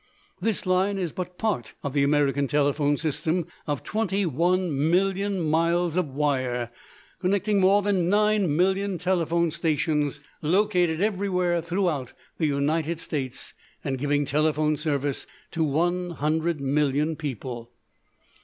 This line is but part of the American telephone system of twenty one million miles of wire, connecting more than nine million telephone stations located everywhere throughout the United States, and giving telephone service to one hundred million people.